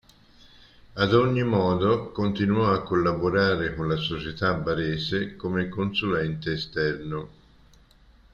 Ad ogni modo, continuò a collaborare con la società barese come consulente esterno.